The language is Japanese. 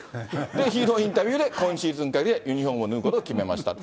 ヒーローインタビューで、今シーズンかぎりでユニホームを脱ぐことを決めましたと。